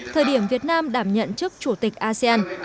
thời điểm việt nam đảm nhận chức chủ tịch asean